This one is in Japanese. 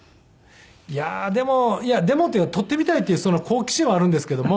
いやーでもいやでもっていうか捕ってみたいっていうその好奇心はあるんですけども。